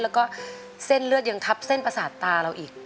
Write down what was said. แล้วก็เส้นเลือดยังทับเส้นประสาทตาเราอีก